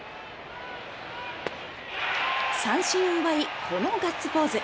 三振を奪い、このガッツポーズ。